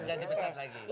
jadi pecat lagi